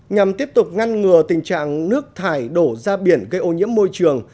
nhằm tiếp tục ngăn ngừa tình trạng nước thải đổ ra biển gây ô nhiễm môi trường